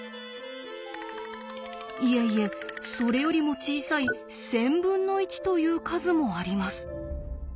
いえいえそれよりも小さい１，０００分の１という数もあります。